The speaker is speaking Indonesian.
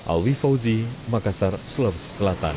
alwi fauzi makassar sulawesi selatan